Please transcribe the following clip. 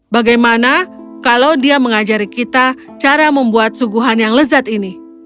bagaimana kalau dia mengajari kita cara membuat suguhan yang lezat ini